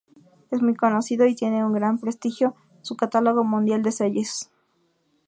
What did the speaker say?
Es muy conocido y tiene un gran prestigio su catálogo mundial de sellos.